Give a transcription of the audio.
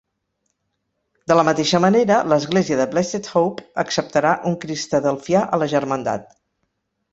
De la mateixa manera, l'Església de Blessed Hope acceptarà un cristadelfià a la germandat.